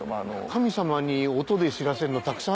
神様に音で知らせるのたくさんありますよね。